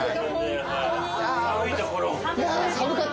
寒いところ。